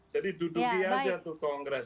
jadi duduk aja tuh kongres